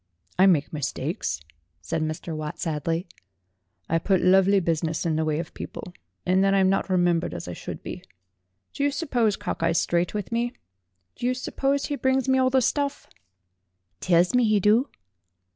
"I make mistakes," said Mr. Watt sadly. "I put lovely business in the way of people, and then I'm not remembered as I should be. Do you suppose Cock eye's straight with me? Do you suppose he brings me all the stuff?" "Tells me 'e do."